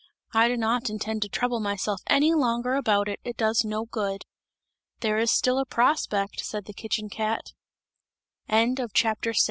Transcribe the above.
I do not intend to trouble myself any longer about it, it does no good!" "There is still a prospect!" said the kitchen cat. VII. THE EAGLE'S NEST.